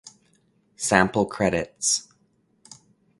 Sample credits